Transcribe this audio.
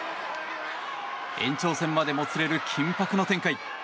延長戦までもつれる緊迫の展開。